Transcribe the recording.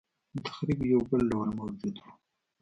دتخریب یو بل ډول موجود و.